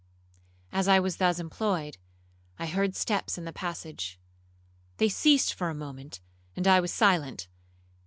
As I was thus employed, I heard steps in the passage. They ceased for a moment, and I was silent.